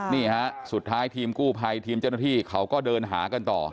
นี่ฮะสุดท้ายทีมกู้ภัยทีมเจ้าหน้าที่เขาก็เดินหากันต่อ